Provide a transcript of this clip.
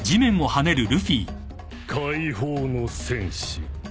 解放の戦士。